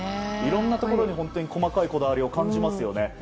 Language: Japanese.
いろんなところに細かいこだわりを感じますよね。